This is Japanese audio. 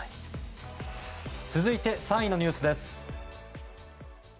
続いて３位のニュースです。